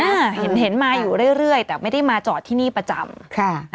ปลอดภัยนี่เห็นมาอยู่เรื่อยแต่ไม่ได้มาจอดที่นี่ประจำ